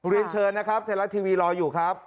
เรียนเชิญนะครับไทยรัฐทีวีรออยู่ครับ